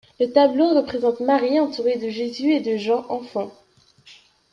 Le tableau représente Marie entourée de Jésus et de Jean, enfants.